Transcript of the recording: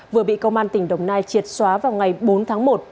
và triệt xóa vào ngày bốn tháng một